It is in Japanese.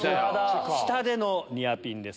下でのニアピンです。